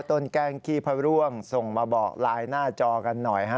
แกล้งขี้พระร่วงส่งมาบอกไลน์หน้าจอกันหน่อยฮะ